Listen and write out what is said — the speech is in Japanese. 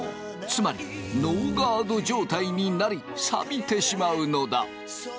つまりノーガード状態になりさびてしまうのだ。